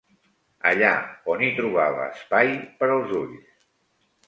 Allà on hi trobava espai per els ulls